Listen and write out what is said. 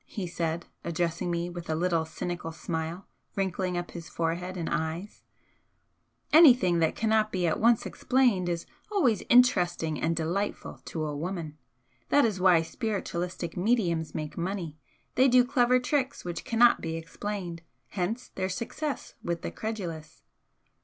he said, addressing me with a little cynical smile wrinkling up his forehead and eyes "Anything that cannot be at once explained is always interesting and delightful to a woman! That is why spiritualistic 'mediums' make money. They do clever tricks which cannot be explained, hence their success with the credulous."